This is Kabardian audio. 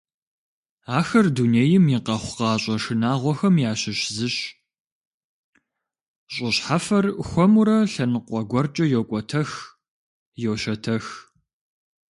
Ахэр дунейм и къэхъукъащӏэ шынагъуэхэм ящыщ зыщ, щӏы щхьэфэр хуэмурэ лъэныкъуэ гуэркӏэ йокӏуэтэх, йощэтэх.